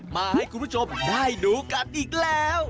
มาให้คุณผู้ชมได้ดูกันอีกแล้ว